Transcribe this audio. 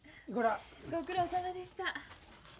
ご苦労さまでした。